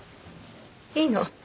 いいの。